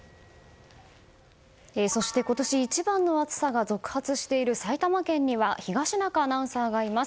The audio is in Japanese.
そして今年一番の暑さが続発している埼玉県には東中アナウンサーがいます。